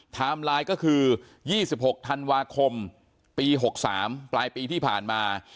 ไลน์ก็คือ๒๖ธันวาคมปี๖๓ปลายปีที่ผ่านมา